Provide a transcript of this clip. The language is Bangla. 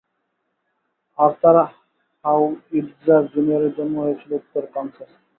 আর্থার হাউইটজার জুনিয়রের জন্ম হয়েছিল উত্তর কানসাসে।